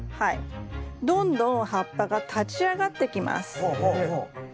どんどん葉っぱが立ち上がってきます。